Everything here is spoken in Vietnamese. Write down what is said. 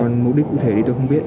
một mục đích cụ thể thì tôi không biết